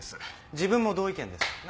自分も同意見です。